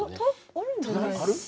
あるんじゃないですか。